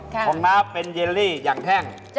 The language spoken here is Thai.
ของน้าเป็นเยลลี่อย่างแห้ง